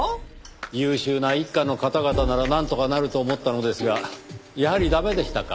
優秀な一課の方々ならなんとかなると思ったのですがやはり駄目でしたか。